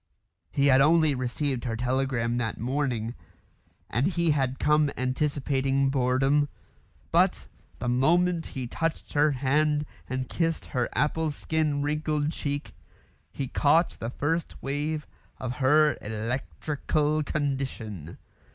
He had only received her telegram that morning, and he had come anticipating boredom; but the moment he touched her hand and kissed her apple skin wrinkled cheek, he caught the first wave of her electrical condition.